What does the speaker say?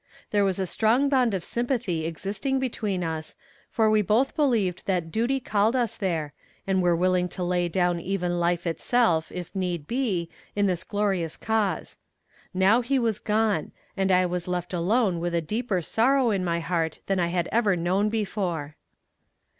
There was a strong bond of sympathy existing between us, for we both believed that duty called us there, and were willing to lay down even life itself, if need be, in this glorious cause. Now he was gone, and I was left alone with a deeper sorrow in my heart than I had ever known before.